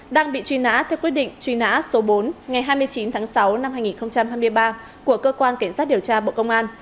đang bị truy nã theo quyết định truy nã số bốn ngày hai mươi chín tháng sáu năm hai nghìn hai mươi ba của cơ quan cảnh sát điều tra bộ công an